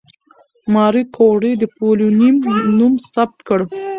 ماري کوري د پولونیم نوم ثبت کړ.